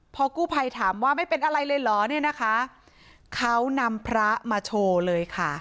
พอกู้ภัยถามว่าไม่เป็นอะไรเลยเหรอเนี่ยนะคะเขานำพระมาโชว์เลยค่ะ